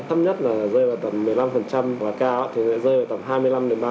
thấp nhất là rơi vào tầm một mươi năm và cao thì rơi vào tầm hai mươi năm ba mươi cái khoản vay đó